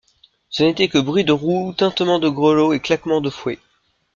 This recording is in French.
Ce n'étaient que bruits de roues, tintements de grelots et claquements de fouets.